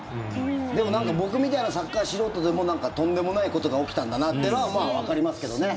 でも、僕みたいなサッカー素人でもとんでもないことが起きたんだなってのはまあ、わかりますけどね。